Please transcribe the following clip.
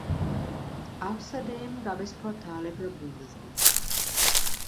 Außerdem gab es Portale für Bundesländer.